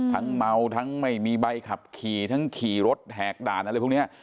เมาทั้งไม่มีใบขับขี่ทั้งขี่รถแหกด่านอะไรพวกนี้